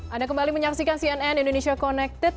anda kembali menyaksikan cnn indonesia connected